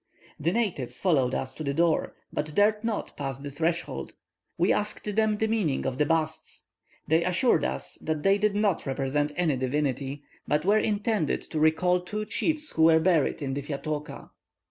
The natives followed us to the door, but dared not pass the threshold. We asked them the meaning of the busts: they assured us that they did not represent any divinity, but were intended to recall two chiefs who were buried in the 'Fiatooka.'"